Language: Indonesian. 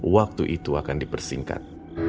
waktu itu akan dipersingkat